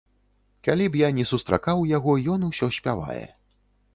Калі б я ні сустракаў яго, ён усё спявае.